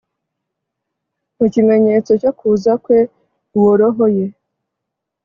mu kimenyetso cyo kuza kwe uwo roho ye